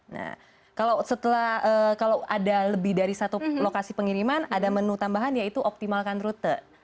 nah kalau ada lebih dari satu lokasi pengiriman ada menu tambahan yaitu optimalkan rute